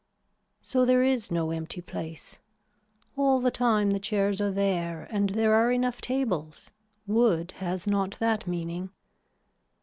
So there is no empty place. All the time the chairs are there and there are enough tables. Wood has not that meaning.